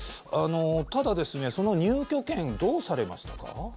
ただですね、その入居権どうされましたか？